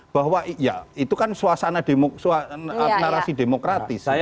bahwa ya itu kan suasana narasi demokratis